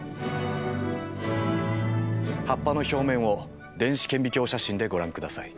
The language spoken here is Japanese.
葉っぱの表面を電子顕微鏡写真でご覧ください。